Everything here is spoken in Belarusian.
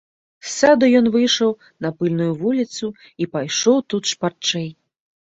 З саду ён выйшаў на пыльную вуліцу і пайшоў тут шпарчэй.